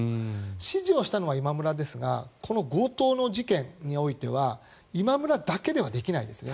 指示をしたのが今村だろうが強盗の事件においては今村だけではできないですね。